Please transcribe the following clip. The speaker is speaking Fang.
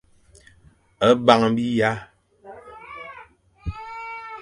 A bang biya.